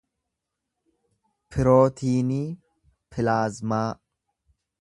pirootiinii pilaazmaa